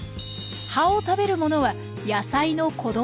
葉を食べるものは野菜の子ども時代。